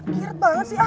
giret banget sih ah